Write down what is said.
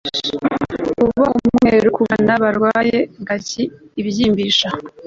kuba umweru ku bana barwaye bwaki ibyimbisha